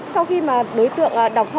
sau khi mà đối tượng đọc họ